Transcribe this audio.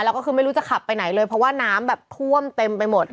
แล้วก็คือไม่รู้จะขับไปไหนเลยเพราะว่าน้ำแบบท่วมเต็มไปหมด